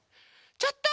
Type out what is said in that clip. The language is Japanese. ちょっと！